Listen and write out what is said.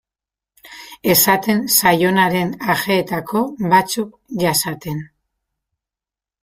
Esaten zaionaren ajeetako batzuk jasaten.